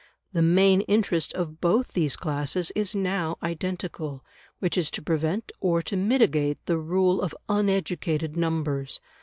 The main interest of both these classes is now identical, which is to prevent or to mitigate the rule of uneducated numbers.